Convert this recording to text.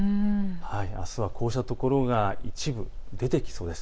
あすはこうしたところが一部出てきそうです。